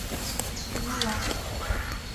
— Унала...